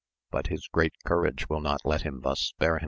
But his great courage will not let him thus spare himseK.